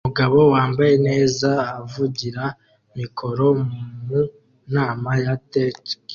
Umugabo wambaye neza avugira mikoro mu nama ya Tech